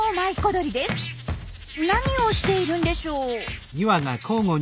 何をしているんでしょう？